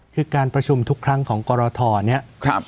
คือการประชุมทุกครั้งของกรทเนี่ย